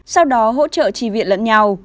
sau đó hỗ trợ trì viện lẫn nhau